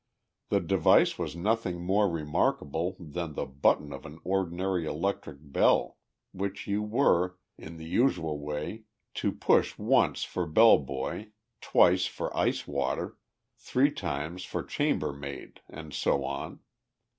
The device was nothing more remarkable than the button of an ordinary electric bell, which you were, in the usual way, to push once for bell boy, twice for ice water, three times for chambermaid, and so on.